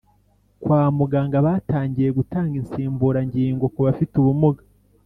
Kwa muganga batangiye gutanga insimbura ngingo kubafite ubumuga